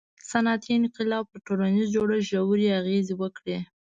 • صنعتي انقلاب پر ټولنیز جوړښت ژورې اغیزې وکړې.